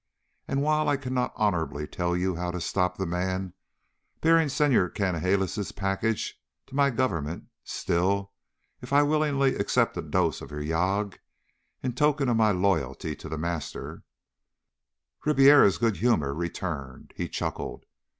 And while I cannot honorably tell you how to stop the man bearing Senhor Canalejas' package to my government, still ... If I willingly accepted a dose of yagué in token of my loyalty to The Master...." Ribiera's good humor returned. He chuckled.